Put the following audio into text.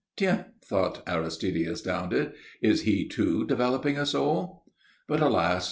"Tiens!" thought Aristide, astounded. "Is he, too, developing a soul?" But, alas!